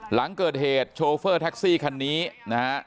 หลังเกิดเหตุโชเฟอร์แท็กซี่คันนี้นะฮะ